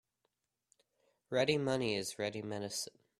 Ready money is ready medicine.